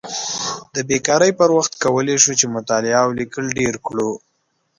د بیکارۍ پر وخت کولی شو چې مطالعه او لیکل ډېر کړو.